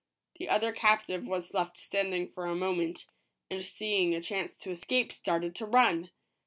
The other captive was left standing for a moment, and seeing a chance to escape, started to run.